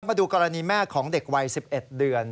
มาดูกรณีแม่ของเด็กวัย๑๑เดือน